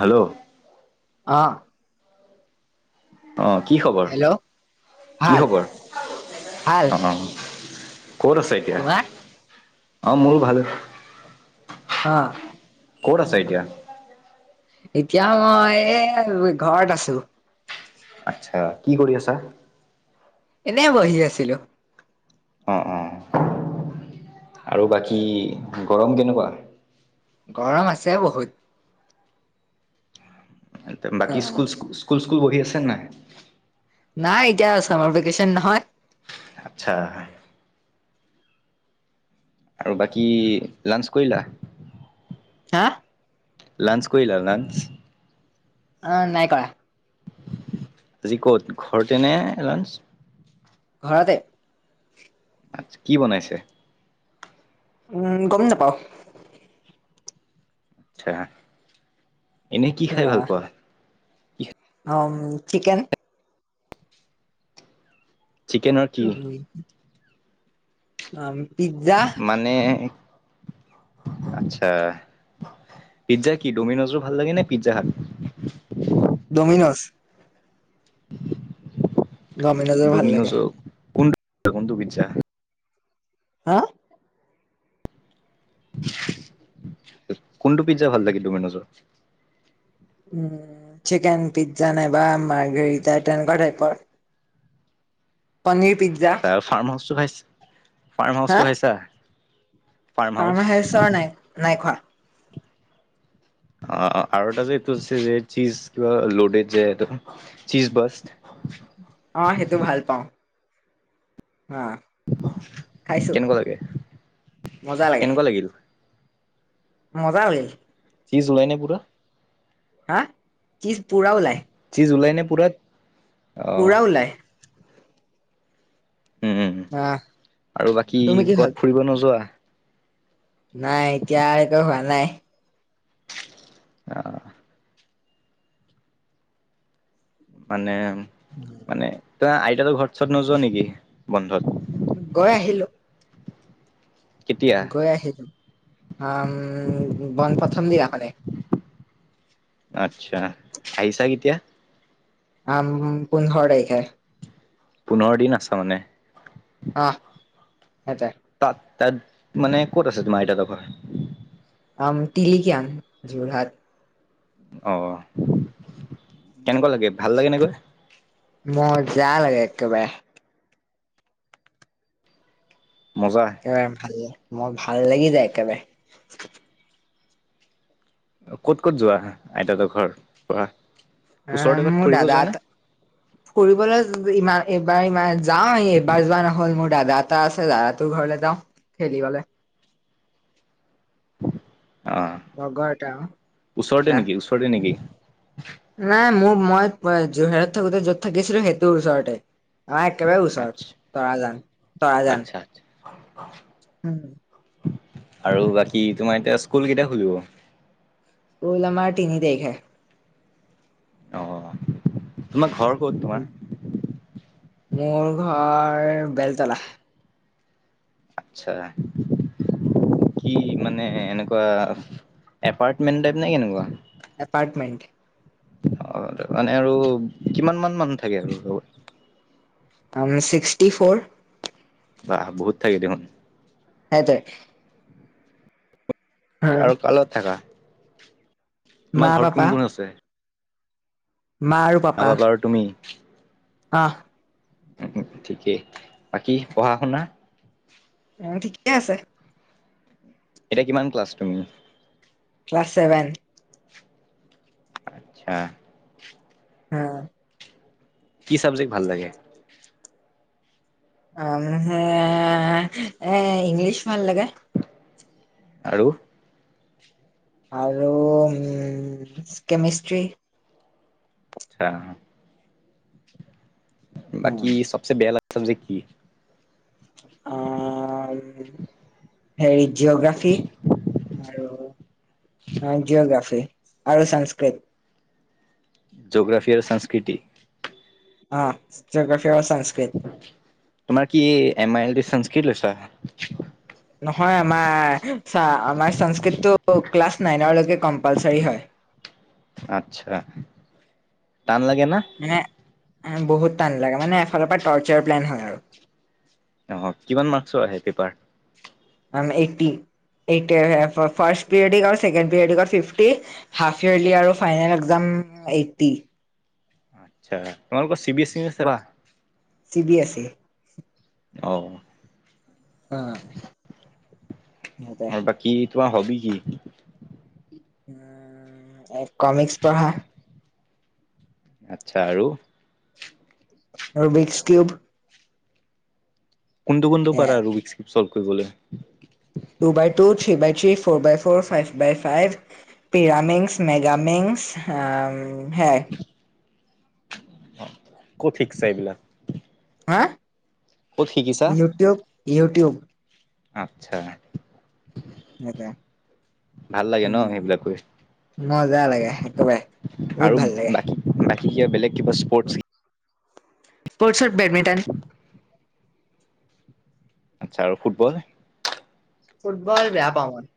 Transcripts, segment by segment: Hello অ আহ কি খবৰ হেল্ল' কি ভাল খবৰ ভাল আহ ক'ত আছে এতিয়া তোমাৰ অ মোৰো ভাল হা ক'ত আছা এতিয়া এতিয়া মই ঘৰত এ ঘৰত আছো আচ্ছা কি কৰি আছা এনেই বহি আছিলো অ অ আৰু বাকী গৰম কেনেকুৱা গৰম আছে বহুত অ বাকী স্কুল স্কুল স্কুল পহি আছে নাই নাই এতিয়া চামাৰ ভেকেশচন নহয় আচ্ছা আৰু বাকী লাঞ্চ কৰিলা হা লাঞ্চ কৰিলা লাঞ্চ অ নাই কৰা আজি ক'ত ঘৰতে ন লাঞ্চ ঘৰতে আচ্ছা কি বনাইছে উম গমেই নাপাওঁ আ এনেই কি খাই ভাল পোৱা অ চিকেন চিকেনৰ কি পিজ্জা মানে আচ্ছা পিজ্জা কি ডমিনোজো ভাল লাগে নে পিজ্জা ডমিন'জ ডমিন'জৰ ভাল ডমিন'ছ লাগে কোনটো কোনটো বিছা হা কোনটো পিজ্জা ভাল লাগিল দমিনজৰ উ চিকেন পিজ্জা নাইবা মাৰ্গৰি তেনেকুৱা টাইপৰ পনীৰ পি্জা ফাৰ্ম হাউচটো খাইছ ফাৰ্ম হাউচটো খাইছা ফাৰ্ম হাউচ ফাৰ্মা হাইষ্টৰ নাই নাই খোৱা অ আৰু এটা যে এইটোছে যে চিজ কিবা লোডেড যেটো চিজ বস্ত অ সেইটো ভাল পাওঁ হা খাইছো কেনেকুৱা লাগে মজা লাগে। কেনেকুৱা লাগিল মজা বুলি চিজ ওলাই নাই পূৰা হা চিজ পুৰা ওলাই চি জুলাই নে পুৰাত অ' উৰা ওলায় উম আহ আৰু বাকী তুমি কি ভাল কত ফুৰিব নোযোৱা নাই এতিয়া একো হোৱা নাই। অ'। মানে মানে তই আইতাতো ঘৰত চৰত নোযোৱা নেকি বন্ধত। গৈ আহিলো। কেতিয়া গৈ আহিছো বন প্ৰথম দিনাখনে। আত্ছা আহিছা কেতিয়া আম পোন্ধৰ তাৰিখে। পোন্ধৰ দিন আছে মানে। অঁ, সেইটোৱে তাত তাত মানে ক'ত আছে তোমাৰ আইতাহঁতৰ ঘৰ। আম তিলিকীয়ান যোৰহাট। অ', কেনেকুৱা লাগে ভাল লাগে নে গৈ। মজা লাগে একেবাৰে। মজা। একেবাৰে ভাল ল মোৰ ভাল লাগি যায় একেবাৰে। ক'ত ক'ত যোৱা আহ আইতা হঁতৰ ঘৰ কোৱা অ', মোৰ দাদা এটা ফুৰিবলৈ ইমান এইবাৰ ইমান যাওঁ এবাৰ যোৱা নহল মোৰ দাদা এটা আছে দাদা তৰ ঘৰলৈ যাওঁ খেলিবলে। অ', লগৰ এটা আৰু ওচৰতে ক্লাছ নেকি ওচৰতে নেকি? নাই মোৰ মই যোৰহত থাকোতে য'ত থাকিছিলো সেইটো ওচৰতে। অ', একেবাৰে ওচৰত আচ্ছা তৰাজান তৰাজান। [inaudible] উম। আৰু বাকী তোমাৰ এতিয়া স্কুল কেইটা খুলিব? স্কুল আমাৰ তিনি তাৰিখে। অ', তোমাৰ ঘৰ ক'ত তোমাৰ? মোৰ ঘৰ বেলতলা। আটচ্ছা। কি মানে এনেকুৱা এপাৰ্টমেন্ট টাইপ নে কেনেকুৱা। এপাৰ্টমেণ্ট। অ', মানে আৰু কিমান মান মানুহ থাকে আৰু লগত। Sixty four. বাহ বহুত থাকে দেখোন। সেইটোৱে আৰু কা লগত থাকা। মা তোমাৰ ঘৰত পাপা কোন কোন আছে? মা আৰু মা পাপা আৰু তুমি। অ'। উম ঠিকেই বাকী পঢ়া শুনা। উ ঠিকেই আছে। এতিয়া কিমান ক্লাছ তুমি। Class seven. আচ্ছা। হা কি চাবজেক্ট ভাল লাগে। অ', এ ইংলিছ ভাল লাগে। আৰু আৰু উম কেমেষ্ট্ৰি। ছা বাকী চবচে বেয়া লগা চব্জেট কি? আ হেৰী জিঅ'গ্ৰাফী আৰু জিঅ'গ্ৰাফি আৰু সংস্কৃত। জগ্ৰাফি আৰু সংস্কৃতি। আ জাগ্ৰাফি আৰু সংস্কৃত তোমাৰ কি এম আই এল টো সংস্কৃত লৈছা। নহয় আমাৰ আমাৰ সংস্কৃতটো ক্লাছ নাইনৰ লৈকে কম্পালচাৰী হয়। আচ্ছা টান লাগে না। মানে বহুত টান লাগে মানে এফালৰ পৰা টৰ্চাৰ প্লেন হয় আৰু। অ কিমান মাৰ্কছৰ আহে পেপাৰ। এইটটি ফাৰ্ষ্ট প্ৰিয়দিক আৰু second periodic fifty half yearly আৰু ফাইনেল একজাম এইটটি। আচ্ছা তোমালোকৰ চি বি এছ ই নে চেবা চি বি এছ ই। অঁ'। অ', নাযায়'। কি তোমাৰ হবি কি। কমিক্স পঢ়া। আচ্ছা আৰু। আৰু মিক্স কিউব। কোনটো কোনটো পাৰা আৰু চলভ কৰিবলে। Two by two three by three four by four five by five পিৰামিংগছ মেগামিংগছ অ সেয়াই। অ ক'ত শিকিছা এইবিলাক। হা ক'ত শিকিছা ইউটিউব ইউটিউব। আচ্ছা। মতে। ভাল লাগে ন উম সেইবিলাক কৰি মজা লাগে একেবাৰে আৰু বহুত ভাল লাগে। বাকী বাকী কিয় বলেগ কিবা স্পৰ্টছ। স্পৰ্টছ বেবেদান। আচ্ছা আৰু ফুটবল। ফুটবল বেয়া পাওঁ মানে।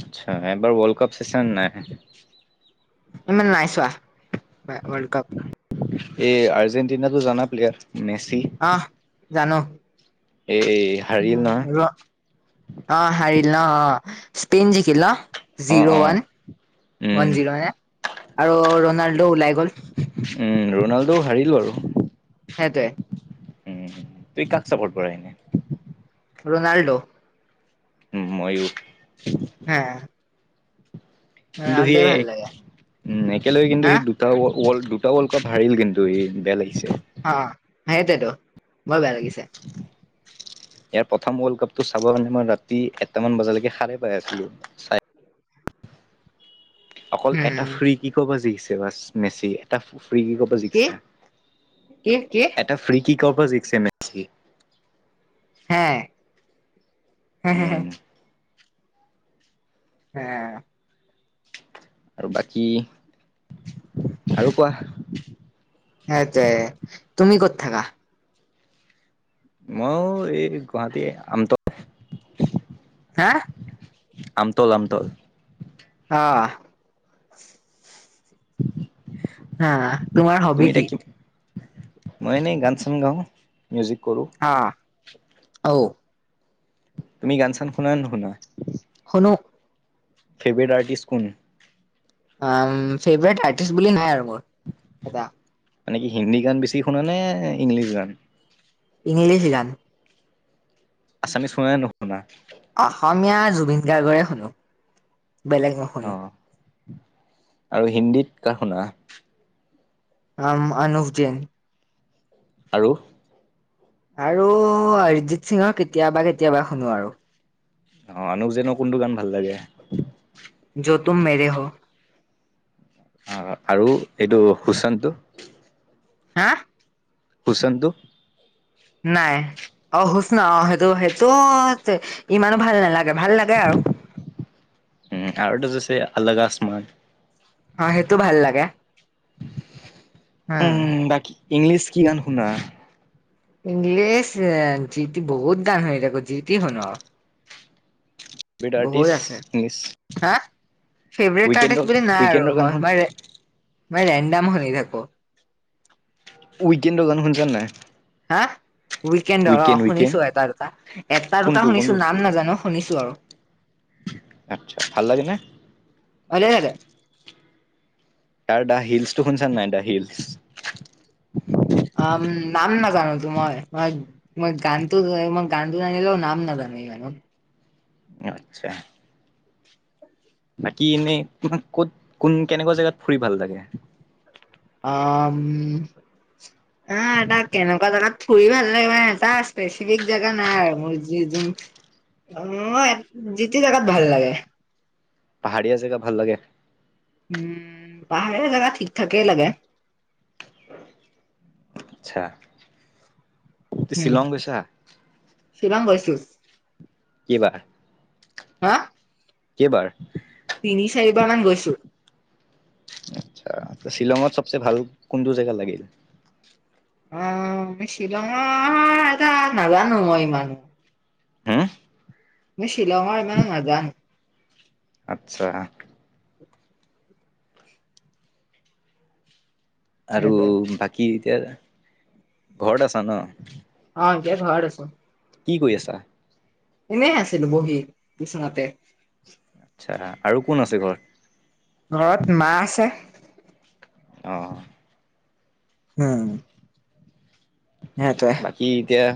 আচ্ছা এবাৰ ৱৰ্ল্ড কাপ চাইচা নাই। অ মই নাই চোৱা ৱৰ্ল্ড কাপ। এই আৰ্জেণ্টিনাটো জানা প্লেয়াৰ মেচি। আহ জানো। এই হাৰিল নহয়। ৰ অ হাৰিল ন অ স্পেইন জিকিল। অ', জিৰ' অ', ওৱান উম, ওৱান জিৰ' মানে আৰু ৰনাল্ডো ওলাই গ'ল। উম ৰনাল্ডো হাৰিলো আৰু। সেইটোৱে। উ তুমি কাক চাপৰ্ট কৰা এনে। ৰোনাল্ডো। ময়ো। হ। কিন্তু সি ৰনাল্ডোৱে ভাল এক লাগে উম একেলগে কিন্তু হা সি দু। দুটাৱৰ্ল দুটা ৱৰ্ল্ড কাপ হাৰিল কিন্তু এই বেয়া লাগিছে। অ সেইটোৱেই টো বৰ বেয়া লাগিছে। ইয়াৰ প্ৰথম ৱৰ্ল্ড কাপ টো চাব মানে মই ৰাতি এটা মান বজালৈকে সাৰে পাই আছিলোঁ। অকল এটা উম ফ্ৰী কি কব জিকিছে বাছ মেচি এটা ফ্ৰী কি ক কি কি এটা ফ্ৰি কিক কৰ পৰা জিকিছে হে হে হে হে উম হে আৰু বাকী আৰু কোৱা সেইটোৱে তুমি ক'ত থাকা? মই এই গুৱাহাটী আমত হা। আমতল আমতল। অ'। হা তোমাৰ তুমি হবি এতিয়া কি? মই এনেই গান চান গাও মিউজিক কৰোঁ। অ', অ'। তুমি গান চান শুনা নে নুশুনা? শুনো ফেভৰেট আৰ্টিষ্ট কোন? ফেভৰেট আৰ্টিষ্ট বুলি নাই আৰু মোৰ এটা মানে কি হিন্দী গান বেছি শুনানে ইংলিছ গান? ইংলিছ গান। আছামিছ শুনা নে নুশুনা? অসমীয়া জুবিন গাৰ্গৰহে শুনো বেলেগ নুশু- অঁ আৰু হিন্দীত কাৰ শুনা? অঁ ম অৰ্ণুপ জৈন। আৰু? আৰু অৰিজিত সিঙৰ কেতিয়াবা কেতিয়াবা শুনো আৰু। অঁ আনুক যেনৰ কোনটো গান ভাল লাগে? জৌ তুম মেৰে হৌ। অ আৰু এইটো সুশানটো? হাঁ। কুচনটো? নাই, অ শুচন অ সেইটো সেইটো ইমানো ভাল নালাগে ভাল লাগে আৰু। উম' আৰু এটা যে আছে আলগ আসমান। অঁ সেইটো ভাল লাগে। উম' বাকী ইংলিছ কি গান শুনা? ইংলিছ এ জিতি বহুত গান হৈ থাক জিতি শুন। ফেভৰেট বহুত আৰ্টিষ্ট আছে। ইজ হাঁ ফেভৰেট উইকেণ্ডৰ আৰ্টিষ্ট বুলি নাই উইকেণ্ডৰ গান শুন আৰু। মই ৰেণ্ডাম শুনি থাকো। উইকেণ্ডৰ গান শুনিছা নে নাই? হাঁ উইকেণ্ডৰ অঁ উইকেণ্ড উইকেণ্ড শুনিছো এটা দুটা এটা কোনটো দুটা কোনটো শুনিছোঁ নাম নাজানো। শুনিছোঁ আৰু। আৎচ্ছা ভাল লাগে নে? ভালে লাগে। তাৰ দা হিলছটো শুনিচানে নাই দা হিলচ? অ নাম নাজানো তোমাৰ মই। মই গানটো ময় গানটো জানিলেও নাম নাজানো ইমানো। আৎচ্ছা। বাকী এনে তোমাক কত কোন কেনেকুৱা জেগাত ফুৰি ভাল লাগে? অ' উম আহ তা কেনেকুৱা জেগাত ফুৰি ভাল লাগি মানে তা- পেচিফিক জেগা নাই আৰু মোৰ যি যিন অঁ যি টি জেগাত ভাল লাগে। পাহাৰীয়া জেগা ভাল লাগে। উম' পাহাৰীয়া জেগা ঠিক ঠাকেই লাগে। আৎচ্ছা। উম শিলং গৈছো। কিবা? হাঁ। কেইবাৰ? তিনি চাৰি বাৰ মান গৈছো। আৎচ্ছা ত শ্বিলঙত চবচে ভাল কোনটো জেগা লাগিল? অঁ শ্বিলঙ হঁ এটা নাজানো মই ইমান। হুম' ময় শ্বিলঙত ইমান নাজাং। আৎচ্ছা। আৰু সেইটোৱে বাকী এতিয়া ঘৰত আছা ন। অঁ এতিয়া ঘৰত আছো। কি কৰি আছা এনেই আছিলো বহি বিচনাতে আচ্ছা আৰু কোন আছে ঘৰত ঘৰত মা আছে অ উম নটে [unintelligible] বাকী এতিয়া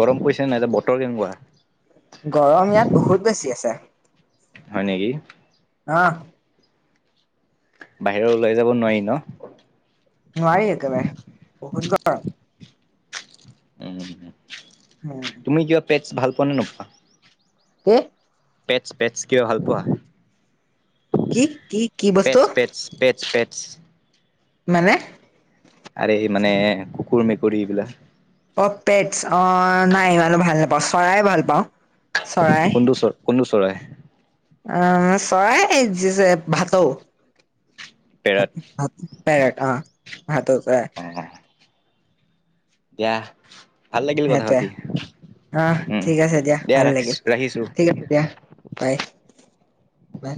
গৰম পৰিছে নাই এতিয়া বতৰ কেনেকুৱা। গৰম ইয়াত বহুত বেছি আছে হয় নেকি অ বাহিৰত ওলাই যাব নোৱাৰি ন নোৱাৰি একেবাৰে বহুত গৰম উম হ উম তুমি কিবা পেটছ ভাল পোৱা নোপোৱা কে পেটছ পেটছ কিয় ভাল পোৱা কি কি কি বস্তু পেটচ পেটচ মানে আৰে মানে কুকুৰ মেকুৰী এইবিলাক অ পেটছ অ নাই ইমানো ভাল নাপাওঁ চৰাই ভাল পাওঁ চৰাই কোনটো কোনটো চৰাই অ চৰাই ভাটৌ পেৰাত পেৰট অ ভাটৌ চৰাই অ', দিয়া ভাল লাগিল কথা সেইটোৱে পাতি আহ উম। ঠিক আছে দিয়া ভাল ৰাখিছ লাগিল ৰাখিছোঁ। ঠিক আছে দিয়া বাই বাই